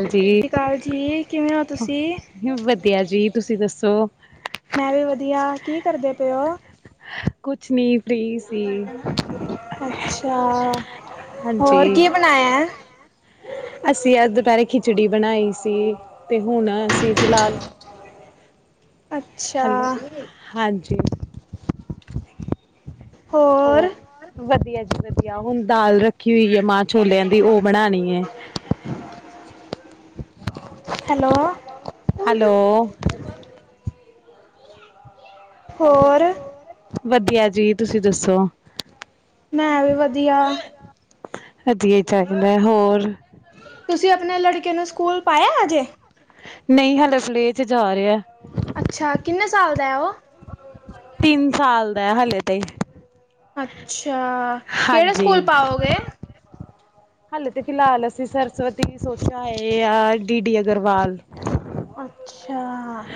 ਸਤਿ ਸ਼੍ਰੀ ਅਕਾਲ ਜੀ ਕਿਵੇਂ ਹੋ ਤੁਸੀਂ? ਵਧੀਆ ਜੀ ਤੁਸੀਂ ਦੱਸੋ? ਮੈਂ ਵੀ ਵਧੀਆ ਕੀ ਕਰਦੇ ਪਏ ੳ? ਕੁਛ ਨਹੀਂ। ਅੱਛਾ। ਹੋਰ ਹਾਂਜੀ। ਕੀ ਬਣਾਇਆ? ਅਸੀਂ ਅੱਜ ਦੁਪਹਿਰੇ ਖਿੱਚੜੀ। ਖਿਚੜੀ ਬਣਾਈ ਸੀ। ਤੇ ਹੁਣ ਅਸੀਂ ਫਿਲਹਾਲ। ਅੱਛਾ ਹੈਲੋ ਹਾਂਜੀ। ਹੋ ਹੋਰ? ਵਧੀਆ ਵਧੀਆ ਹੁਣ ਦਾਲ ਰੱਖੀ। ਰੱਖੀ ਹੋਈ ਹੈ ਮਾਂਹ ਛੋਲਿਆਂ ਦੀ ਉਹ ਬਣਾਉਣੀ ਹੈ। ਹੈਲੋ ਹੈਲੋ, ਹੋਰ ਵਧੀਆ ਜੀ ਤੁਸੀਂ ਦੱਸੋ? ਮੈਂ ਵੀ ਵਧੀਆ। ਵਧੀਆ ਹੀ ਚਾਹੀਦਾ ਹੋਰ। ਤੁਸੀਂ ਆਪਣੇ ਲੜਕੇ ਨੂੰ ਸਕੂਲ ਪਾਇਆ ਅਜੇ। ਨਹੀਂ ਹਲੇੇ ਪਲੇ 'ਚ ਜਾ ਰਿਹਾ ਹੈ। ਅੱਛਾ ਕਿੰਨੇ ਸਾਲ ਦਾ ਹੈ ਉਹ? ਤਿੰਨ ਸਾਲ ਦਾ ਹੈ ਹਲੇ ਤੇ। ਅੱਛਾ ਕਿਹੜੇ ਸਕੂਲ ਪਾਓਗੇ? ਹਲੇੇ ਤੇ ਫਿਲਹਾਲ ਅਸੀਂ ਸਰਸਵਤੀ ਸੋਚਿਆ ਹੈ ਆ ਡੀ ਡੀ ਅਗਰਵਾਲ ਅੱਛਾ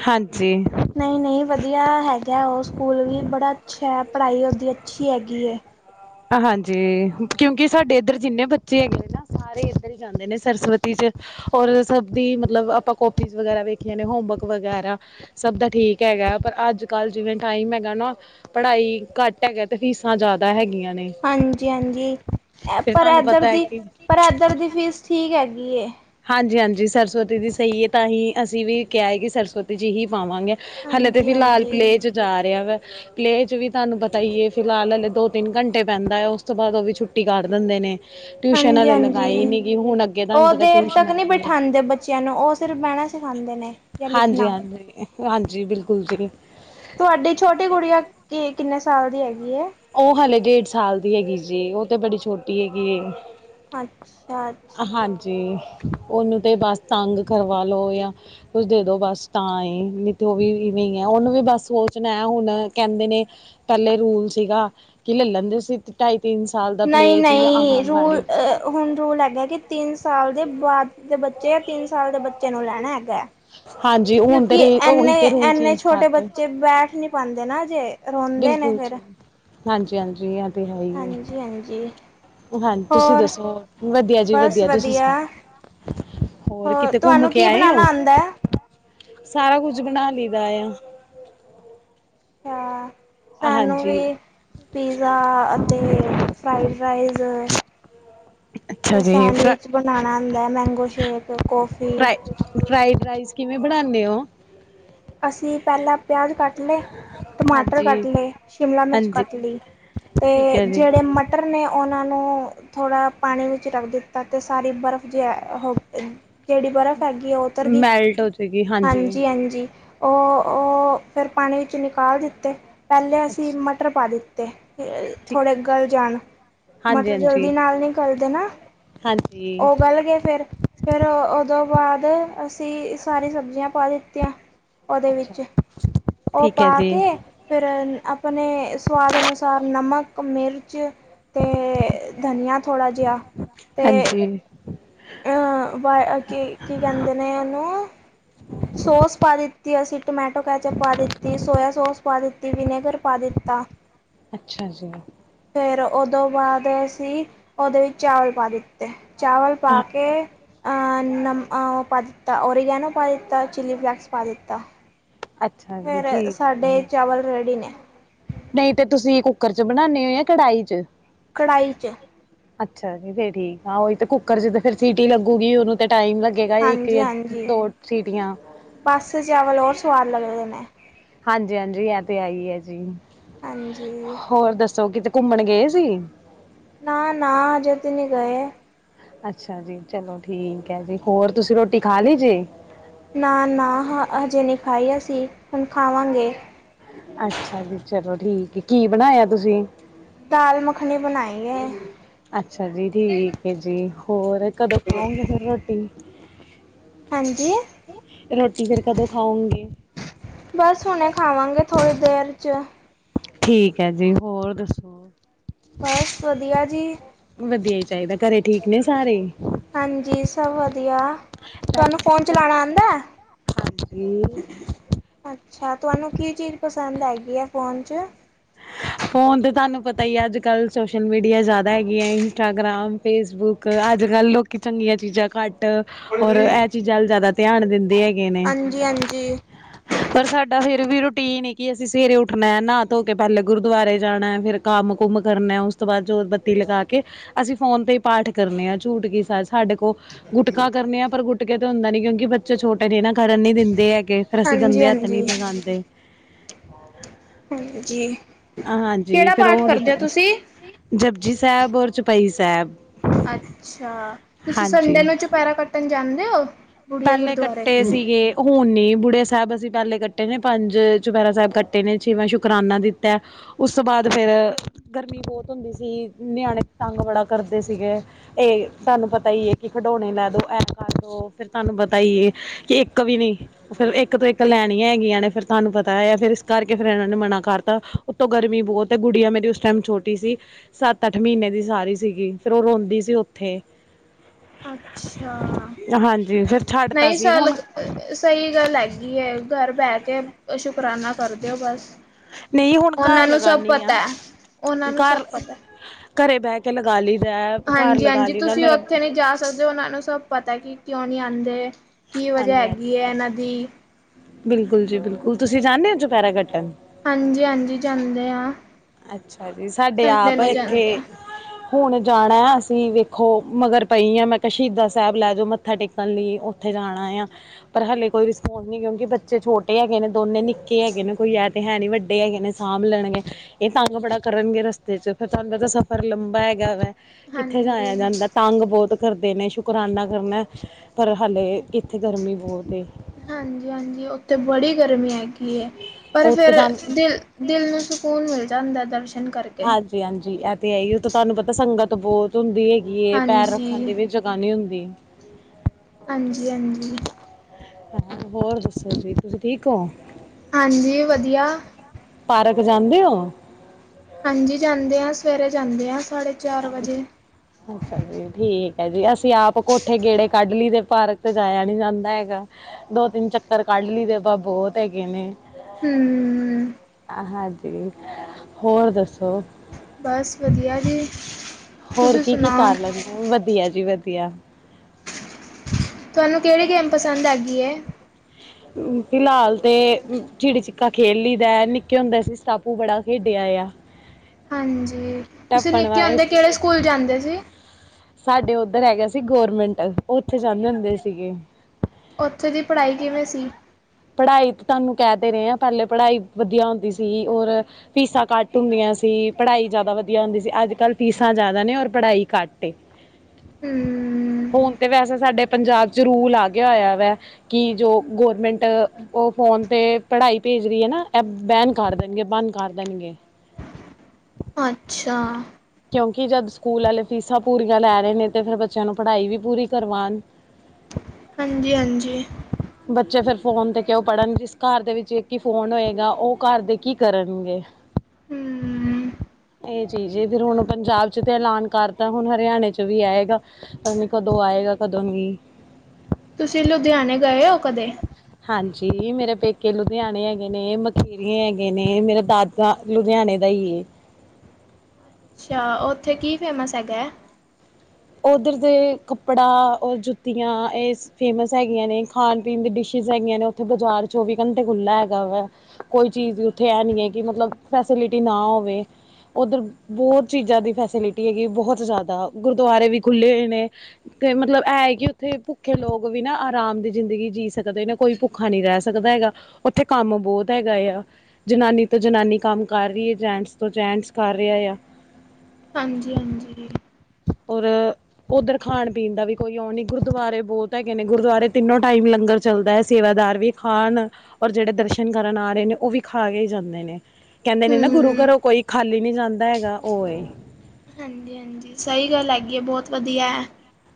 ਹਾਂਜੀ ਨਹੀਂ ਨਹੀਂ ਵਧ ਵਧਆ ਹੈਗਾ ਉਹ ਸਕੂਲ ਵੀ ਬੜਾ ਅੱਛਾ ਹੈ ਪੜ੍ਹਾਈ ਉਹਦੀ ਅੱਛੀ ਹੈਗੀ ਹਾਂਜੀ ਕਿਉਂਕਿ ਸਾਡੇ ਇੱਧਰ ਜਿੰਨੇ ਬੱਚੇ ਹੈਗੇ ਨਾ ਸਾਰੇ ਇੱਧਰ ਹੀ ਜਾਂਦੇ ਨੇ, ਸਰਸਵਤੀ'ਚ ਔਰ ਸਭ ਦੀ ਮਤਲਬ ਆਪਾਂ ਕੋਪੀਜ਼ ਵਗੈਰਾ ਵੇਖੀਆਂ ਨੇ ਹੋਮ ਵਗੈਰਾ ਸਭ ਦਾ ਠੀਕ ਹੈਗਾ ਪਰ ਅੱਜ ਕੱਲ ਜਿਵੇਂ ਟਾਈਮ ਹੈਗਾ ਨਾ ਪੜ੍ਹਾਈ ਘੱਟ ਹੈਗਾ ਤੇ ਫੀਸਾਂ ਜ਼ਿਆਦਾ ਹੈਗੀਆਂ ਨੇ ਹਾਂਜੀ ਹਾਂਜੀ ਤੇ ਪਰ ਤੁਹਾਨੂੰ ਏਧਰ ਪਤਾ ਹੈ ਦੀ ਕਿ ਪਰ ਏਧਰ ਦੀ ਫੀਸ ਠੀਕ ਹੈਗੀ ਏ ਹਾਂਜੀ ਹਾਂਜੀ ਸਰਸਵਤੀ ਦੀ ਸਹੀ ਹੈ ਤਾਂ ਹੀ ਅਸੀਂ ਵੀ ਕਿਹਾ ਹੈ ਕਿ ਸਰਸਵਤੀ ਜੀ ਹੀ ਪਾਵਾਂਗੇ ਹਲੇ ਤੇ ਫਿਲਹਾਲ ਹਾਂਜੀ-ਹਾਂਜੀ, ਪਲੇ ਚ ਜਾ ਰਿਹਾ ਵਾ ਪਲੇਅ 'ਚ ਵੀ ਤੁਹਾਨੂੰ ਪਤਾ ਹੀ ਹੈ ਫਿਲਹਾਲ ਹਲੇੇ ਦੋ ਤਿੰਨ ਘੰਟੇ ਪੈਂਦਾ ਹੈ ਉਸ ਤੋਂ ਬਾਅਦ ਉਹ ਵੀ ਛੁੱਟੀ ਕਰ ਦਿੰਦੇ ਨੇ ਟਿਊਸ਼ਨ ਹਾਂਜੀ ਹਲੇ ਲਗਾਈ ਹਾਂਜੀ ਨੀ ਗੀ ਹੁਣ ਅੱਗੇ ਤੁਹਾਨੂੰ ਪਤਾ ਉਹਦੇ ਟਿਊਸ਼ਨ ਤੱਕ ਨਹੀਂੀ ਹੈਗੀ ਹੈ। ਬਿਠਾਉਂਦੇ ਬੱਚਿਆਂ ਨੂੰ ਉਹ ਸਿਰਫ ਬਹਿਣਾ ਸਿਖਾਉਂਦੇ ਨੇ ਯਾ ਲਿਖਣਾ ਹਾਂਜੀ-ਹਾਂਜੀ, ਹਾਂਜੀ ਹਾਂਜੀ ਬਿਲਕੁਲ ਜੀ। ਤੁਹਾਡੀ ਛੋਟੀ ਕੁੜੀੀਆਂ ਕਿ ਕਿੰਨੇ ਸਾਲ ਦੀ ਹੈਗੀ ਹੈ ਉਹ ਹਲੇੇ ਡੇਢ ਸਾਲ ਦੀ ਹੈਗੀ ਜੀ ਉਹ ਤੇ ਬੜੀ ਛੋਟੀ ਹੈਗੀ ਅੱਛਾ ਅੱਛਾ ਹਾਂਜੀ ਉਹਨੂੰ ਤੇ ਬਸ ਤੰਗ ਕਰਵਾ ਲੋ ਜਾਂ ਕੁੱਝ ਦੇ ਦੋ ਬਸ ਤਾਂ ਹੀ ਨਹੀਂ ਤੇ ਉਹ ਵੀਵੇਂ ਉਹਨੂੰ ਵੀ ਬਸ ਸੋਚਣਾ ਹੈ ਹੁਣ ਇਹ ਕਹਿੰਦੇ ਨੇ ਪਹਿਲੇ ਰੂਲਸ ਸੀਗਾ ਕੀ ਲੈ ਲੈਂਦੇ ਸੀ ਤੇ ਨਹੀਂ ਨਹੀਂ ਰੂਲ ਅ ਹੁਣ ਰੂਲ ਹੈਗਾ ਕਿ ਤਿੰਨ ਸਾਲ ਦੇ ਬਾਅਦ ਦੇ ਬੱਚੇ, ਤਿੰਨ ਸਾਲ ਦੇ ਬੱਚੇ ਨੂੰ ਲੈਣਾ ਹੈਗਾ ਹੈ ਹਾਂਜੀ ਹੁਣ ਤੇ ਕਿਉਂਕਿ ਰੇ ਉਹੀ ਇਨੇ ਤੇ ਰੂਲ ਐੰਨੇ ਚੇਂਜ ਛੋਟੇ ਕਰਤੇ ਬੱਚੇ ਬੈਠ ਨੀ ਪਾਉਂਦੇ ਨਾ ਜੇ ਰੋਂਦੇ ਨੇ ਬਿਲਕੁਲ ਜੀ ਫਿਰ ਹਾਂਜੀ ਹਾਂਜੀ ਹਾਂਜੀ ਹਾਂਜੀ ਹਾਂਜੀ ਹਾਂਜੀ, ਤੁਸੀ ਹੋਰ ਦੱਸੋ? ਵਧੀਆ ਜੀ- ਵਧੀਆ। ਤੁਸੀ ਸੁਣਾਓ? ਹੋਰ ਕਿਤੇ ਤੁਹਾਨੂੰ ਘੁੰਮਕੇ ਕੀ ਆਏ ਹੋ? ਬਣਾਉਣਾ ਆਉਂਦਾ ਹੈ ਸਾਰਾ ਕੁਝ ਬਣਾ ਲਈਦਾ ਯਾ ਅੱਛਾ। ਸਾਨੂੰ ਵੀ ਪੀਜ਼ਾ ਅਤੇ, ਫ੍ਰਾਈਡ ਰਾਈਜ ਅੱਛਾ ਤੇ, ਜੀ ਫ ਸੈਂਡਵਿਚ ਬਣਾਣਾ ਆਂਦਾ ਹੈ mango shake coffee fried rice ਕਿਵੇਂ ਬਣਾਂਨੇ ਓ? ''ਅਸੀਂ ਪਹਿਲਾਂ ਪਿਆਜ਼ ਕੱਟ ਲਏ, ਟਮਾਟਰ ਹਾਂਜੀ ਕੱਟ ਲਏ, ਸ਼ਿਮਲਾ ਮਿਰਚ ਹਾਂਜੀ ਕੱਟ ਲਈ ਤੇ ਠੀਕ ਹੈ ਜੀ ਜਿਹੜੇ ਮਟਰ ਨੇ, ਉਹਨਾਂ ਨੂੰ ਥੋੜ੍ਹਾ ਪਾਣੀ ਵਿੱਚ ਰੱਖ ਦਿੱਤਾ ਤੇ, ਸਾਰੀ ਬਰਫ਼ ਜੇ ਹੋ ਜਿਹੜੀ ਬਰਫ਼ ਹੈਗੀ ਉਹ ਉੱਤਰ ਗਈ, ਮੈਲਟ ਹੋ ਜਾਏਗੀ ਹਾਂਜੀ ਹਾਂਜੀ-ਹਾਂਜੀ। ਉਹ-ਉਹ ਫਿਰ ਪਾਣੀ ਵਿੱਚੋ ਨਿਕਾਲ ਦਿੱਤੇ, ਪਹਿਲੇ ਅਸੀ ਅੱਛਾ ਮਟਰ ਪਾ ਦਿੱਤੇ ਠੀਕ ਥੋੜ੍ਹੇ ਗਲ ਜਾਣ। ਹਾਂਜੀ ਮਟਰ ਹਾਂਜੀ ਜਲਦੀ ਨਾਲ ਨਹੀਂ ਗਲਦੇ ਨਾ। ਹਾਂਜੀ ਉਗਲ ਗਏ ਫੇਰ ਫੇਰ ਉਦੋਂ ਬਾਅਦ ਅਸੀਂ ਸਾਰੀ ਸਬਜ਼ੀਆਂ ਪਾ ਦਿੱਤੀਆ। ਉਹਦੇ ਅੱਛਾ ਵਿੱਚ 'ਉਹ ਠੀਕ ਹੈ ਜੀ ਪਾਕੇ ਫਿਰ ਅਪਣੇ ਸਵਾਦ ਅਨੁਸਾਰ ਨਮਕ, ਮਿਰਚ ਤੇ ਧਨੀਆ ਥੋੜ੍ਹਾ ਜਿਹਾ ਤੇ ਹਾਂਜੀ ਅਹ ਬਾ--ਕੀ-ਕੀ ਕਹਿੰਦੇ ਨੇ ਉਹਨੂੰ ਸੋਸ ਪਾ ਦਿੱਤੀ ਅਸੀ ਟਮੈਟੋ-ਕੈਚਅਪ ਪਾ ਦਿੱਤੀ, ਸੋਇਆ ਸੋਸ ਪਾ ਦਿੱਤੀ, ਵਿਨੇਗਰ ਪਾ ਦਿੱਤਾ। ਅੱਛਾ ਜੀ। ਫਿਰ, ਉਹਦੋਂ ਬਾਅਦ ਅਸੀਂ ਉਹਦੇ ਵਿੱਚ ਚਾਵਲ ਪਾ ਦਿੱਤੇ ਚਾਵਲ ਪਾਕੇ ਨਮ--ਉ--ਪਾਦਿੱਤਾ, ਓਰਗਨੋ ਪਾ ਦਿੱਤਾ, ਚੀਲੀ ਫਲੈਕਸ ਪਾ ਦਿੱਤਾ ਅੱਛਾ ਜੀ। ਫਿਰ ਠੀਕ ਹੈ ਸਾਡੇ ਜੀ, ਚਾਵਲ ਰੈਡੀ ਨੇ ਨਹੀਂ ਤੇ ਤੁਸੀਂ ਕੁੱਕਰ'ਚ ਬਣਾਨੇ ਓ, ਯਾ ਕੜਾਈ'ਚ? ਕੜ੍ਹਾਹੀ 'ਚ ਅੱਛਾ ਜੀ। ਫੇਰ ਠੀਕ ਆ, ਉਹੀ ਤੇ ਕੁੱਕਰ'ਚ ਫਿਰ ਸੀਟੀ ਲੱਗੂਗੀ ਉਹਨੂੰ ਤੇ ਟਾਈਮ ਲੱਗੇਗਾ ਇੱਕ ਹਾਂਜੀ ਯਾ ਹਾਂਜੀ ਦੋ ਸੀਟੀਆਂ ਬਸ ਚਾਵਲ ਹੋਰ ਸਵਾਦ ਲੱਗਦੇ ਨੇ ਹਾਂਜੀ-ਹਾਂਜੀ ਐ ਤੇ ਹੈਈ ਹੈ ਜੀ। ਹਾਂਜੀ, ਹੋਰ ਦੱਸੋ ਕਿਤੇ ਘੁੰਮਣ ਗਏ ਸੀ? ਨਾ- ਨਾ ਅਜੇ ਤੇ ਨੀ ਗਏ। ਅੱਛਾ ਜੀ, ਚਲੋ ਠੀਕ ਹੈ ਜੀ। ਹੋਰ, ਤੁਸੀ ਰੋਟੀ ਖਾਲੀ ਜੇ? ਨਾ-ਨਾ, ਹ ਹਜੇ ਨਹੀਂ ਖਾਈ ਅਸੀਂ, ਹੁਣ ਖਾਵਾਂਗੇ। ਅੱਛਾ ਜੀ, ਚਲੋ ਠੀਕ ਏ। ਕੀ ਬਣਾਇਆ ਤੁਸੀਂ? ਦਾਲ ਮੱਖਣੀ ਬਣਾਈ ਏ। ਅੱਛਾ ਜੀ, ਠੀਕ ਹੈ ਜੀ। ਹੋਰ ਕਦੋ ਖਾਓਗੇ ਫਿਰ ਰੋਟੀ? ਹਾਂਜੀ। ਰੋਟੀ ਫਿਰ ਕਦੋਂ ਖਾਓਗੇ? ਬਸ ਹੁਣੇ ਖਾਵਾਂਗੇ ਥੋੜੇ ਫਰ'ਚ ਠੀਕ ਹੈ, ਜੀ। ਹੋਰ ਦੱਸੋ? ਬਸ ਵਧੀਆ ਜੀ। ਵਧੀਆ ਹੀ ਚਾਹੀਦਾ, ਘਰੇ ਠੀਕ ਨੇ ਸਾਰੇ? ਹਾਂਜੀ ਸਭ ਵਧੀਆ। ਤੁਹਾਨੂੰ, ਫੋਨ ਚਲਾਣਾ ਆਂਦਾ? ਏ ਅੱਛਾ। ਤੁਹਾਨੂੰ ਕੀ ਚੀਜ਼ ਪਸੰਦ ਹੈਗੀ ਐ ਫੋਨ'ਚ? ਫੋਨ ਤੇ ਤੁਹਾਨੂੰ ਪਤਾ ਹੀ ਅੱਜ-ਕੱਲ ਸੋਸ਼ਲ ਮੀਡੀਆ ਜ਼ਿਆਦਾ ਹੈਗੀ ਹੈ, ਇੰਸਟਾਗ੍ਰਾਮ, ਫੇਸਬੁੱਕ ਅੱਜ- ਕੱਲ ਲੋਕੀ ਚੰਗੀਆਂ ਚੀਜ਼ਾਂ ਘੱਟ ਔਰ, ਹਾਂਜੀ ਇਹ ਚੀਜ਼ਾਂ ਅਲ ਜ਼ਿਆਦਾ ਧਿਆਨ ਦਿੰਦੇ ਹੈਗੇ ਨੇ। ਹਾਂਜੀ ਹਾਂਜੀ ਪਰ, ਸਾਡਾ ਫੇਰ ਵੀ ਰੂਟੀਨ ਕਿ, ਅਸੀਂ ਸਵੇਰੇ ਉੱਠਣਾ ਨਹਾ- ਧੋਕੇ ਪਹਿਲ ਗੁਰਦੁਆਰੇ ਜਾਣਾ ਫੇਰ ਕੰਮ-ਕੁੰਮ ਕਰਨਾ ਉਸ ਤੋਂ, ਬਾਅਦ ਜੋਤਬੱਤੀ ਲਗਾ ਕੇ, ਅਸੀਂ ਫੋਨ ਤੇ ਹੀ ਪਾਠ ਕਰ ਮੰਨਿਆ ਝੂਠ ਕੀ ਸਾ ਸਾਡੇ ਕੋਲ ਗੁਟਕਾ ਕਰਨੇ ਆ ਪਰ ਗੁੱਟਕੇ ਤੇ ਹੁੰਦਾ ਨੀ, ਕਿਉਂਕਿ ਬੱਚੇ ਛੋਟੇ ਨੇ ਨਾ ਕਰਨ ਨੀ ਦਿੰਦੇ ਹੈਗੇ। ਫੇਰ ਅਸੀਂ ਗੰਦੇ ਹੱਥ ਨਹੀਂ ਹਾਂਜੀ ਲਗਾਂਦੇ। ਹਾਂਜੀ, ਹਾਂਜੀ ਕਿਹੜਾ ਫਿਰ ਪਾਠ ਉਹ ਕਰਦੇ ਹੋ ਤੁਸੀਂ ਜਪੁਜੀ ਸਾਹਿਬ, ਔਰ ਚੌਪਈ ਸਾਹਿਬ। ਅੱਛਾ ਤੁਸੀਂ ਹਾਂਜੀ। ਸੰਡੇ ਨੂੰ ਚੁਪੈਰਾ ਕੱਟਨ ਜਾਂਦੇ ਹੋ। ਬੁੜੀਆ ਪਹਿਲੇ ਗੁਰਦੁਆਰੇ ਕੱਟੇ ਸੀਗੇ ਹੁਣ ਨੀ ਬੁੜੇ ਸ ਸਾਹਿਬ ਅਸੀਂ ਪਹਿਲੇ ਕੱਟੇ ਨੇ ਪੰਜ ਚੁਪਹਿਰਾ ਸਾਹਿਬ ਕੱਟੇ ਨੇ ਛੇਵਾਂ ਸ਼ੁਕਰਾਨਾ ਦਿੱਤਾ, ਉਸ ਤੋਂ ਬਾਅਦ ਫੇਰ ਗਰਮੀ ਬਹੁਤ ਹੁੰਦੀ ਸੀ ਨਿਆਣੇ ਤੰਗ ਬੜਾ ਕਰਦੇ ਸੀਗੇ, ਇਹ ਤੁਹਾਨੂੰ ਪਤਾ ਇਹ ਕਿ ਖਿਡੋਣੇ ਲੈ ਦੋ ਇਹ ਕਰ ਦੋ ਫਿਰ ਤੁਹਾਨੂੰ ਪਤਾ ਹੀ ਕਿ ਇੱਕ ਵੀ ਨੀ ਫੇਰ ਇੱਕ ਤੋਂ ਇੱਕ ਲੈਣੀਆਂ ਹੈਗੀਆਂ ਨੇ ਫੇਰ ਤੁਹਾਨੂੰ ਪਤਾ ਫਿਰ ਇਸ ਕਰਕੇ ਫੇਰ ਇਹਨਾਂ ਨੇ ਮਨਾ ਕਰਤਾ ਉਤੋਂ ਗਰਮੀ ਬਹੁਤ ਐ ਗੁੜੀਆ ਮੇਰੀ ਉਸ ਟਾਈਮ ਛੋਟੀ ਸੀ ਸੱਤ ਅੱਠ ਮਹੀਨੇ ਮਹੀਨੇ ਦੀ ਸਾਰੀ ਸੀਗੀ, ਫਿਰ ਉਹ ਰੋਂਦੀ ਸੀ ਉੱਥੇ। ਅੱਛਾ, ਹਾਂਜੀ ਫਿਰ ਛੱਡ ਤਾ ਨਹੀਂ ਸੀ ਸੱਲ ਹੁਣ ਸਹੀ ਗੱਲ ਹੈਗੀ ਹੈ ਘਰ ਬੈ ਲੈ ਕੇ ਸ਼ੁਕਰਾਨਾ ਕਰਦੇ ਹੋ ਬਸ। ਨਹੀਂ ਹੁਣ ਘਰ ਉਹਨਾਂ ਨੂੰ ਸਭ ਲਗਾਂਣੀ ਆਂ। ਪਤਾ ਹੈ ਉਹਨਾਂ ਨੂੰ ਸਭ ਘਰ ਪਤਾ ਘਰੇ ਬਹਿ ਕੇ ਲਗਾ ਲਈ ਹਾਂਜੀ -ਹਾਂਜੀ ਤੁਸੀਂ ਉੱਥੇ ਨਹੀਂ ਜਾ ਸਕਦੇ, ਉਹਨਾਂ ਨੂੰ ਸਭ ਪਤਾ ਕਿ ਕਿਉਂ ਨਹੀਂ ਆਂਦੇ। ਕੀ ਵਜ੍ਹਾ ਹਾਂਜੀ ਹੈਗੀ ਐ ਹਾਂਜੀ ਇਹਨਾਂ ਦੀ ਬਿਲਕੁਲ ਜੀ ਬਿਲਕੁਲ ਤੁਸੀਂ ਜਾਂਦੇ ਹੋ ਚੁਪਹਿਰਾ ਕੱਟਣ। ਹਾਂਜੀ- ਹਾਂਜੀ, ਜਾਂਦੇ ਆਂ। ਅੱਛਾ ਜੀ, ਸਾਡੇ ਆਪ ਇੱਥੇ ਆ ਹੁਣ ਜਾਣਾ ਅਸੀਂ ਵੇਖੋ ਮਗਰ ਪਈ ਹਾਂ ਮੈਂ ਕਿਹਾ ਸ਼ਹੀਦਾ ਸਾਹਿਬ ਲੈ ਜਾਓ ਮੱਥਾ ਟੇਕਣ ਲਈ ਉੱਥੇ ਜਾਣਾ। ਪਰ ਹਲੇ ਕੋਈ ਰਿਸਪੋਂਸ ਨਹੀਂ, ਕਿਉਂਕਿ ਬੱਚੇ ਛੋਟੇ ਹੈਗੇ ਨੇ ਦੋਨੇ ਨਿੱਕੇ ਹੈਗੇ ਨੇ ਕੋਈ ਐ ਤੇ ਹੈ ਨੀ ਵੱਡੇ ਵੱਡੇ ਹੈਗੇ ਨੇ ਸਾਂਭ ਲੈਣਗੇ ਇਹ ਤੰਗ ਬੜਾ ਕਰਨਗੇ ਰਸਤੇ ਚ ਫੇਰ ਤੁਹਾਨੂੰ ਪਤਾ ਸਫ਼ਰ ਲੰਬਾ ਹੈਗਾ ਵਾ। ਕਿੱਥੇ ਹਾਂਜੀ ਜਾਇਆ ਜਾਂਦਾ ਤੰਗ ਬਹੁਤ ਕਰਦੇ ਨੇ ਸ਼ੁਕਰਾਨਾ ਕਰਨਾ ਪਰ ਹਾਲੇ ਕਿ ਹਾਂਜੀ -ਹਾਂਜੀ ਉੱਥੇ ਬੜੀ ਗਰਮੀ ਹੈਗੀ। ਪਰ ਉੱਤੋਂ ਫੇਰ ਤਾਂ ਦਿਲ -ਦਿਲ ਨੂੰ ਸਕੂਨ ਮਿਲ ਜਾਂਦਾ ਦਰਸ਼ਨ ਕਰਕੇ ਹਾਂਜੀ- ਹਾਂਜੀ ਇਹ ਤੇ ਹੈ ਹੀ ਉਥੇ ਤੁਹਾਨੂੰ ਪਤਾ ਸੰਗਤ ਬਹੁਤ ਹੁੰਦੀ ਹੈਗੀ। ਵੀ ਇਹ ਪੈਰ ਰੱਖਣ ਹਾਂਜੀ ਦੀ ਵੀ ਜਗ੍ਹਾ ਨਹੀਂ ਹੁੰਦੀ। ਹਾਂਜੀ -ਹਾਂਜੀ। ਹੋਰ ਦੱਸੋ ਜੀ, ਤੁਸੀਂ ਠੀਕ ਹੋ। ਹਾਂਜੀ, ਵਧੀਆ। ਰਕ ਜਾਂਦੇ ਹੋ। ਹਾਂਜੀ ਜਾਂਦੇ ਹਾਂ ਸਵੇਰੇ ਜਾਂਦੇ ਹਾਂ ਸਾਢੇ ਚਾਰ ਵਜੇ। ਅੱਛਾ ਜੀ ਠੀਕ ਜੀ ਅਸੀਂ ਆਪ ਕੋਠੇ ਗੇੜੇ ਕੱਢ ਲਈ ਤੇ ਪਾਰਕ ਤੇ ਜਾਇਆ ਨੀ ਜਾਂਦਾ ਹੈਗਾ, ਦੋ ਤਿੰਨ ਚੱਕਰ ਕੱ ਪਢਲੀ ਦੇ ਵਾ ਬਹੁਤ ਹੈਗੇ ਨੇ। ਹੂੰ। ਹਾਂਜੀ, ਹੋਰ ਦੱਸੋ ਬਸ ਵਧੀਆ ਜੀ ਹੋਰ ਤੁਸੀਂ ਕੀ- ਕੀ ਸੁਣਾਓ ਕਰ ਲੈਂਦੇ ਹੋ, ਵਧੀਆ ਜੀ ਵਧੀਆ। ਪਿਆ ਤੁਹਾਨੂੰ ਕਿਹੜੀ ਗੇਮ ਪਸੰਦ ਆ ਗਈ ਐ। ਫਿਲਹਾਲ ਤੇ ਚਿੜੀ ਛਿੱਕਾ ਖੇਲ ਲਈਦਾ ਦਾ ਨਿੱਕੇ ਹੁੰਦੇ ਸਟਾਪੂ ਬੜਾ ਖੇਡੇ। ਆਇਆ। ਹਾਂਜੀ ਤੁਸੀਂ ਨਿੱਕੇ ਹੁੰਦੇ ਇਸ ਕਿਹੜੇ ਸਕੂਲ ਜਾਂਦੇ ਸੀ। ਸਾਡੇ ਉਧਰ ਰਹਿ ਗਿਆ ਸੀ ਗੌਰਮੈਂਟ, ਉੱਥੇ ਜਾਂਦੇ ਹੁੰਦੇ ਸੀਗੇ। ਉੱਥੋਂ ਦੀ ਪੜ੍ਹਾਈ ਕਿਵੇਂ ਸੀ। ਪੜ੍ਹਾਈ ਤਾਂ ਤੁਹਾਨੂੰ ਕਹਿ ਤੇ ਰਹੇ ਹਾਂ ਪਹਿਲੇ ਪੜ੍ਹਾਈ ਵਧੀਆ ਹੁੰਦੀ ਸੀ, ਔਰ ਫੀਸਾਂ ਘੱਟ ਹੁੰਦੀਆਂ ਸੀ ਪੜ੍ਹਾਈ ਜ਼ਿਆਦਾ ਵਧੀਆ ਹੁੰਦੀ ਸੀ, ਅੱਜ ਕੱਲ ਫੀਸਾਂ ਜ਼ਿਆਦਾ ਨੇ ਔਰ ਪੜ੍ਹਾਈ ਘੱਟ ਏ। ਹੂੰ ਹੁਣ ਤੇ ਵੈਸੇ ਸਾਡੇ ਪੰਜਾਬ ਚ, ਰੂਲ ਆ ਗਿਆ ਹੋਇਆ ਵੇ ਕਿ ਜੋ ਗੋਰਮੈਂਟ ਔ ਫੋਨ ਤੇ ਪੜ੍ਹਾਈ ਭੇਜ ਰਹੀ ਹੈ ਨਾ, ਇਹ ਬੈਨ ਕਰ ਦੇਣਗੇ ਬੰਦ ਕਰ ਦੇਣਗੇ ਅੱਛਾ ਕਿਉਂਕਿ ਜਦ ਸਕੂਲ ਵਾਲੇ ਫੀਸਾਂ ਪੂਰੀਆਂ ਲੈ ਰਹੇ ਨੇ ਤੇ ਫਿਰ ਬੱਚਿਆਂ ਨੂੰ ਪੜ੍ਹਾਈ ਵੀ ਪੂਰੀ ਕਰਵਾਉਣ। [unintelligible] ਹਾਂਜੀ ਹਾਂਜੀ ਬੱਚੇ ਫਿਰ ਫੋਨ ਤੇ ਕਿਉ ਪੜ੍ਹਨ, ਜਿਸ ਘਰ ਦੇ ਵਿੱਚ ਇੱਕ ਹੀ ਫੋਨ ਹੋਏਗਾ, ਔ ਘਰ ਦੇ ਕੀ ਕਰਨਗੇ। ਹਮ [unintelligible] ਇਹ ਚੀਜ਼ ਫਿਰ ਹੁਣ ਪੰਜਾਬ ਚ ਤੇ ਐਲਾਨ ਕਰਤਾ ਹੁਣ ਹਰਿਆਣੇ ਚ ਵੀ ਆਏਗਾ, ਪਤਾ ਨਹੀਂ ਕਦੋਂ ਆਏਗਾ। ਆਏਗਾ ਕਦੋ ਵੀ ਤੁਸੀਂ ਲੁਧਿਆਣੇ ਗਏ ਹੋ ਕਦੇ ਹਾਂਜੀ ਮੇਰੇ ਪੇਕੇ ਲੁਧਿਆਣੇ ਹੈਗੇ ਨੇ, ਮਥੇਰੀਏ ਹੈਗੇ ਨੇ, ਮੇਰਾ ਦਾਦਾ ਲੁਧਿਆਣੇ ਦਾ ਹੀ ਕੀ ਏ ਅੱਛਾ ਉੱਥੇ ਕੀ ਫੇਮਸ ਹੈਗਾ ਹੈ। ਉੱਧਰ ਦੇ ਕੱਪੜਾ ਔਰ ਜੁੱਤੀਆਂ, ਇਹ ਫੇਮਸ ਹੈਗੀਆਂ ਨੇ ਖਾਣ ਪੀਣ ਦੀ ਡਿਸ਼ਿਜ਼ ਹੈ। ਉੱਥੇ ਬਾਾਰ ਚੌਵੀ ਘੰਟੇ ਖੁੱਲ੍ਹ ਹੈਗਾ ਵਾ, ਕੋਈ ਚੀਜ਼ ਉੱਥੇ ਇਹ ਨੀ ਹੈ ਕਿ ਮਤਲਬ ਫੈਸਿਲਿਟੀ ਨਾ ਹੋਵੇ ਉਧਰ ਬਹੁਤ ਚੀਜ਼ਾਂ ਦੀ ਫੈਸਿਲਿਟੀ ਹੈਗੀ ਬਹੁਤ ਜ਼ਿਆਦਾ ਗ ਦੁਆਰੇ ਵੀ ਖੁੱਲੇ ਹੋਏ ਨੇ, ਤੇ ਮਤਲਬ ਇਹ ਕਿ ਉੱਥੇ ਭੁੱਖੇ ਲੋਕ ਵੀ ਨਾ ਆਰਾਮ ਦੀ ਜ਼ਿੰਦਗੀ ਜੀ ਸਕ ਇਹ ਕੋਈ ਭੁੱਖਾ ਨੀ ਰਹਿ ਸਕਦਾ ਹੈਗਾ, ਉੱਥੇ ਕੰਮ ਬਹੁਤ ਹੈਗਾ ਆ ਜਨਾਨੀ ਤੋਂ ਜਨਾਨੀ ਕੰਮ ਕੰਮ ਕਰ ਰਹੀ ਹੈ, ਜੈਂਟਸ ਤੋਂ ਜੈਨਸ ਕਰ ਰਿਹਾ ਆ। ਹਾਂਜੀ ਹਾਂਜੀ ਔਰ ਉੱਧਰ ਖਾਣ ਪੀਣ ਦਾ ਵੀ ਕੋਈ ਆਉ ਨੀ, ਗੁਰਦੁਆਰੇ ਬਹੁਤ ਹੈਗੇ ਨੇ ਗੁਰਦੁਆਰੇ ਤਿੰਨੋ ਟਾਈਮ ਲੰਗਰ ਚੱਲਦਾ ਹੈ, ਸੇਵਾ ਸਰਦਾਰ ਵੀ ਖਾਣ, ਔਰ ਜਿਹੜੇ ਦਰਸ਼ਨ ਕਰਨ ਆ ਰਹੇ ਨੇ ਉਹ ਵੀ ਖਾ ਕੇ ਜਾਂਦੇ ਨੇ। ਕਹਿੰਦੇ ਨੇ ਨਾ ਗੁਰੂ ਹਮ ਘਰੋਂ ਕੋਈ ਖਾਲੀ ਨੀ ਜਾਂਦਾ ਹੈਗਾ ਉਹ ਏ। ਹਾਂਜੀ ਹਾਂਜੀ ਸਹੀ ਗੱਲ ਹੈਗੀ ਏ, ਬਹੁਤ ਵਧੀਆ ਏ।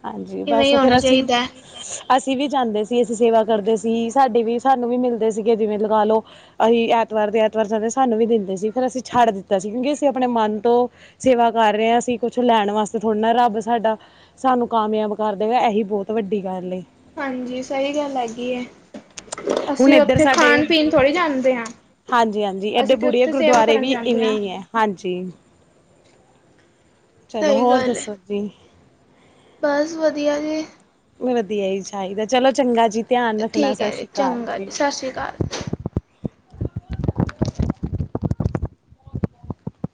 ਹਾਂਜੀ ਬਸ ਫੇਰ ਅਸੀਂ ਅਸੀਂ ਵੀ ਜਾਂਦੇ ਸੀ, ਅਸੀਂ ਸੇਵਾ ਕਰਦੇ ਸੀ, ਸਾਡੇ ਵੀ ਸਾਨੂੰ ਵੀ ਮਿਲਦੇ ਸੀਗੇ ਜਿਵੇਂ ਲਗਾ ਲਓ ਅਸੀਂ ਅ ਐਤਵਾਰ ਦੇ ਐਤਵਾਰ ਜਾਂਦੇ ਸਾਨੂੰ ਵੀ ਦਿੰਦੇ ਸੀ, ਫਿਰ ਅਸੀਂ ਛੱਡ ਦਿੱਤਾ ਸੀ ਕਿਉਂਕਿ ਅਸੀਂ ਆਪਣੇ ਮਨ ਤੋਂ ਸੇਵਾ ਕਰ ਰਹੇ ਹਾਂ ਕਿ ਕੁਛ ਲੈਣ ਵਾਸਤੇ ਥੋੜ੍ਹਾ ਨਾ, ਰੱਬ ਸਾਡਾ ਸਾਨੂੰ ਕਾਮਯਾਬ ਕਰ ਦੇਵੇ ਇਹੀ ਬਹੁਤ ਵੱਡੀ ਗੱਲ ਏ। ਹਾਂਜੀ ਸਹੀ ਗੱਲ ਹੈਗੀ ਏ, ਹੁਣ ਅਸੀਂ ਇੱਧਰ ਉੱਥੇ ਸਾਡੇ ਖਾਣ ਪੀਣ ਥੋੜ੍ਹੀ ਜਾਂਦੇ ਆ। ਹਾਂਜੀ ਹਾਂਜੀ, ਏਡੇ ਬੁੜੇ ਗੁਰਦੁਆਰੇ ਵੀ ਜਾਂਦੇ ਇਵੇਂ ਹਾਂ। ਹੀ ਐ, ਹਾਂਜੀ। ਚਲੋ ਸਹੀ ਹੋਰ ਗੱਲ ਹੈ ਦੱਸੋ ਜੀ। ਬਸ ਵਧੀਆ ਜੀ ਵਧੀਆ ਹੀ ਚਾਹੀਦਾ, ਚਲੋ ਚੰਗਾ ਜੀ। ਧਿਆਨ ਰੱਖਣਾ ਠੀਕ ਸਤਿ ਹੈ ਜੀ ਸ਼੍ਰੀ ਅਕਾਲ ਚੰਗਾ ਜੀ। ਸਤਿ ਸ਼੍ਰੀ ਅਕਾਲ।